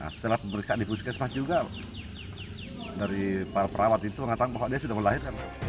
setelah pemeriksaan di puskesmas juga dari para perawat itu mengatakan bahwa dia sudah melahir